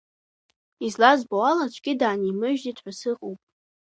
Излазбо ала аӡәгьы даанимыжьӡеит ҳәа сыҟоуп…